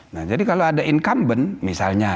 nah jadi kalau ada incumbent misalnya